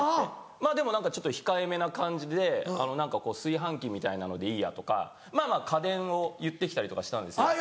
まぁでも何かちょっと控えめな感じで何か炊飯器みたいなのでいいやとか家電を言って来たりとかしたんですよ。